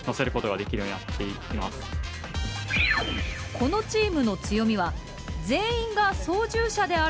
このチームの強みは全員が操縦者であること。